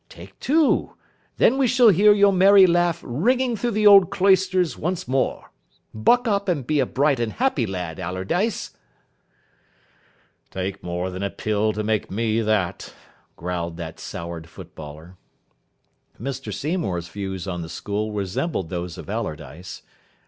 Take two. Then we shall hear your merry laugh ringing through the old cloisters once more. Buck up and be a bright and happy lad, Allardyce." "Take more than a pill to make me that," growled that soured footballer. Mr Seymour's views on the school resembled those of Allardyce.